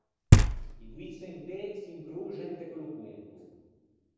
I doî sentê s’incroxan inte quello ponto.